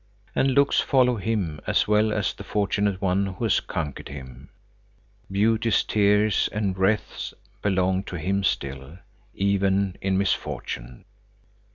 And looks follow him as well as the fortunate one who has conquered him. Beauty's tears and wreaths belong to him still, even in misfortune.